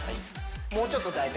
もうちょっと抱く？